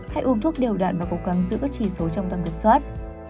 hãy uống thuốc đều đạn và cố gắng giữ các chỉ số trong tầm kiểm soát